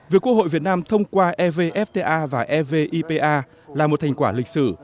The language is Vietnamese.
việc quốc hội việt nam thông qua evfta và evipa là một thành quả lịch sử